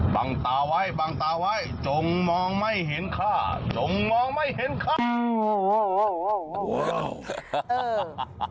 บังตาไว้บังตาไว้จงมองไม่เห็นค่าจงมองไม่เห็นข้าโอ้โห